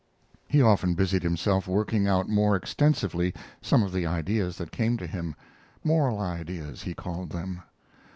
He often busied himself working out more extensively some of the ideas that came to him moral ideas, he called them.